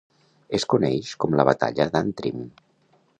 Es coneix com la Batalla d'Antrim.